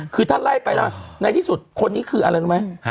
คือท่านไล่ไปแล้วในที่สุดคนนี้คืออะไรรู้ไหม